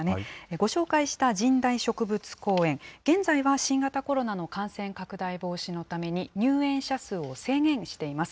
ご紹介した神代植物公園、現在は新型コロナの感染拡大防止のために、入園者数を制限しています。